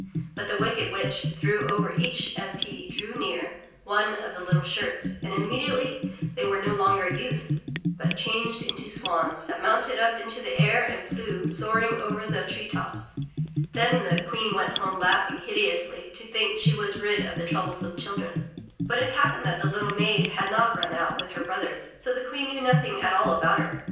But the wicked witch threw over each as he drew near, one of the little shirts, and immediately they were no longer youths, but changed into swans, that mounted up into the air and flew, soaring over the tree tops. Then the Queen went home laughing hideously to think she was rid of the troublesome children. But it happened that the little maid had not mn out with her brothers, so the Queen knew nothing at all about her.